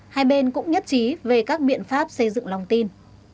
hai bên cũng nhất trí về các biện pháp xây dựng lòng tin